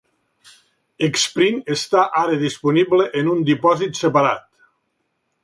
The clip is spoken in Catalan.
Xprint està ara disponible en un dipòsit separat.